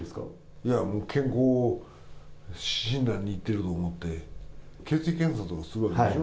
いや、もう健康診断に行ってると思って、血液検査とかするわけでしょ。